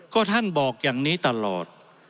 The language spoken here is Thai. ก็ท่านบอกอย่างนี้ตลอด